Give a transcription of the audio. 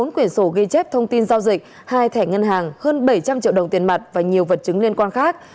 bốn quyển sổ ghi chép thông tin giao dịch hai thẻ ngân hàng hơn bảy trăm linh triệu đồng tiền mặt và nhiều vật chứng liên quan khác